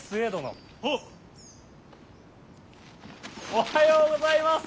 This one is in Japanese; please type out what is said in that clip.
おはようございます！